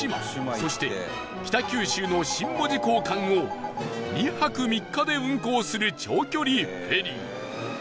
そして、北九州の新門司港間を２泊３日で運航する長距離フェリー